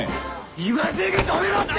今すぐ止めろって！